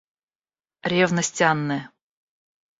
Ревность Анны.